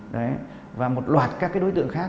đấy và một loạt các cái đối tượng khác